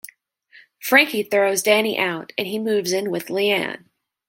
Frankie throws Danny out and he moves in with Leanne.